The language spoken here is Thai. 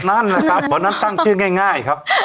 นั่นนะคะหมอนั่นตั้งชื่อง่ายครับ